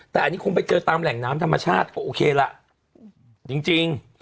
แต่อันนี้คงไปเจอตามแหล่งน้ำธรรมชาติก็โอเคล่ะจริง